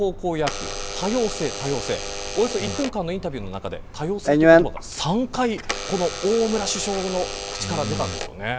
この１分間のインタビューの中で多様性という言葉が３回大村キャプテンの口から出たんです。